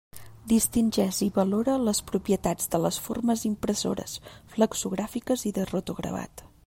Distingeix i valora les propietats de les formes impressores flexogràfiques i de rotogravat.